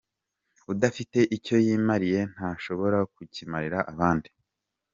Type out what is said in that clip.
Udafite icyo yimariye ntashobora kukimarira abandi.